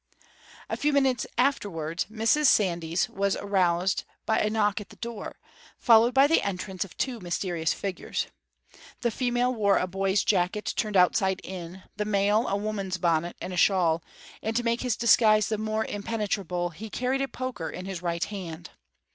A few minutes afterwards Mrs. Sandys was roused by a knock at the door, followed by the entrance of two mysterious figures. The female wore a boy's jacket turned outside in, the male a woman's bonnet and a shawl, and to make his disguise the more impenetrable he carried a poker in his right hand.